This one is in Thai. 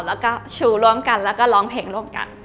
แล้วก็ชูร่วมกันแล้วก็ร้องเพลงร่วมกัน